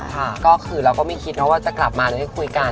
ค่ะก็คือเราก็ไม่คิดนะว่าจะกลับมาหรือได้คุยกัน